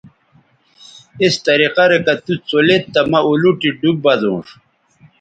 اس طریقہ رے کہ تُوڅولید تہ مہ اولوٹی ڈوب بزونݜ